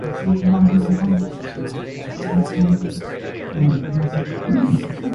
It also has a small reservoir for swimming, the only lake in Rock County.